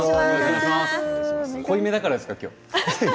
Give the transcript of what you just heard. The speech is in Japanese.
濃いめだからですか？